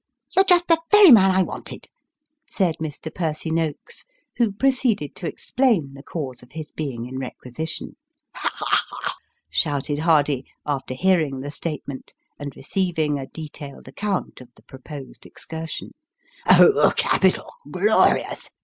" You're just the very man I wanted," said Mr. Percy Noakes, who proceeded to explain the cause of his being in requisition. " Ha ! ha ! ha !" shouted Hardy, after hearing the statement, and receiving a detailed account of the proposed excursion. " Oh, capital ! glorious